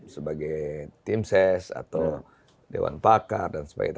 sebagai tim ses atau dewan pakar dan sebagainya